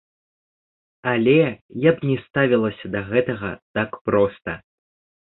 Але я б не ставілася да гэтага так проста.